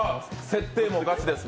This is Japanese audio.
設定もガチです。